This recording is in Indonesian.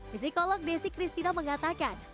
psikolog desi christina mengatakan